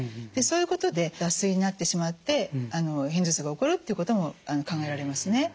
でそういうことで脱水になってしまって片頭痛が起こるっていうことも考えられますね。